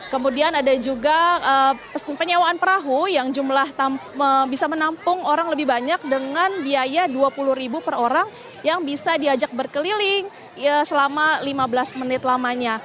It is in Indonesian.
kemudian ada juga penyewaan perahu yang bisa menampung orang lebih banyak dengan biaya dua puluh ribu per orang yang bisa diajak berkeliling selama lima belas menit lamanya